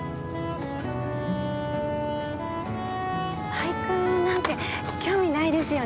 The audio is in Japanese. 俳句なんて興味ないですよね。